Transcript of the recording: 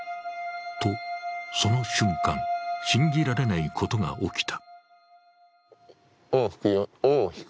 と、その瞬間、信じられないことが起きた。